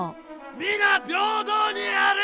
皆平等にある！